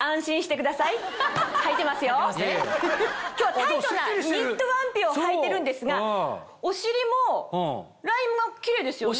タイトなニットワンピをはいてるんですがお尻もラインもキレイですよね？